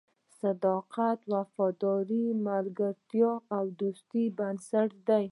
صداقت او وفاداري د ملګرتیا او دوستۍ بنسټ دی.